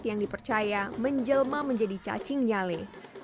yang dipercaya menjelma menjadi cacing nyale